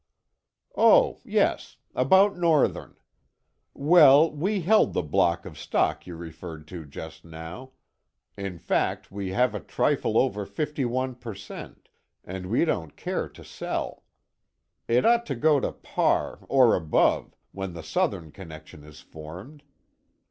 "Oh, yes; about Northern. Well, we held the block of stock you referred to just now. In fact we have a trifle over fifty one per cent, and we don't care to sell. It ought to go to par, or above, when the Southern connection is formed.